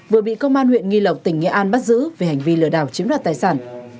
vừa bị công an huyện nghi lộc tỉnh nghệ an bắt giữ về hành vi lừa đảo chiếm đoạt tài sản